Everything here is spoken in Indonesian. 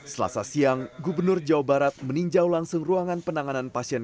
selasa siang gubernur jawa barat meninjau langsung ruangan penanganan pasien